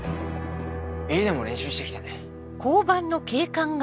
家でも練習してきてね。